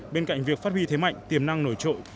bên cạnh việc phát huy thế mạnh tiềm năng nổi trội